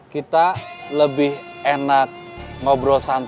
kamu tahu kang kobang